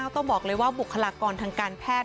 ต้องบอกเลยว่าบุคลากรทางการแพทย์